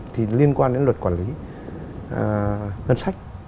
thì liên quan đến luật quản lý ngân sách